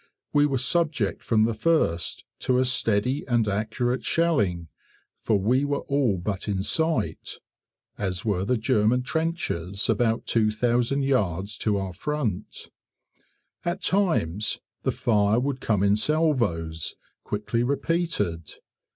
We were subject from the first to a steady and accurate shelling, for we were all but in sight, as were the German trenches about 2000 yards to our front. At times the fire would come in salvos quickly repeated.